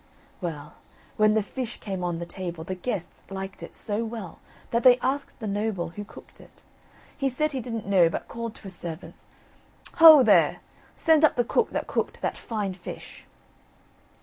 Well, when the fish came on the table, the guests liked it so well that they asked the noble who cooked it. He said he didn't know, but called to his servants: "Ho, there, send up the cook that cooked that fine fish."